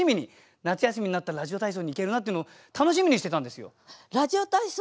夏休みになったらラジオ体操に行けるなっていうのを楽しみにしてたんですよ。